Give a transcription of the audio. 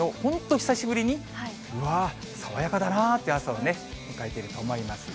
久しぶりにうわっ、爽やかだなという朝を迎えていると思います。